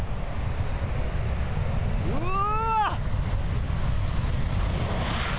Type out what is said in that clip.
うわ！